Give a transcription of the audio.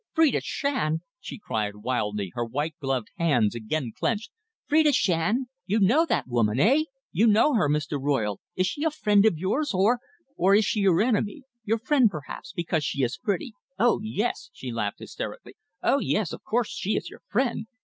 "Phrida Shand!" she cried wildly, her white gloved hands again clenched. "Phrida Shand! You know that woman, eh? You know her, Mr. Royle. Is she a friend of yours? or or is she your enemy? Your friend, perhaps, because she is pretty. Oh, yes!" she laughed, hysterically. "Oh, yes! Of course, she is your friend.